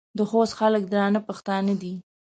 د خوست خلک درانه پښتانه دي.